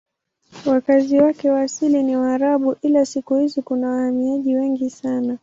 Wakazi wake wa asili ni Waarabu ila siku hizi kuna wahamiaji wengi sana.